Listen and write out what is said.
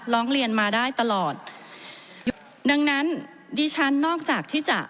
ร้องเรียนมาได้ตลอดดังนั้นดิฉันนอกจากที่จะ